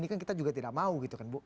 ini kan kita juga tidak mau gitu kan bu